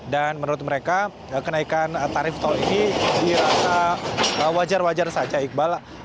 dan menurut mereka kenaikan tarif tol ini dirasa wajar wajar saja iqbal